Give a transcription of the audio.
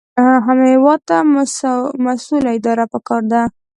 هېواد ته مسؤله اداره پکار ده